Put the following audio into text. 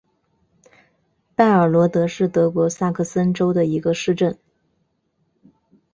拜尔罗德是德国萨克森州的一个市镇。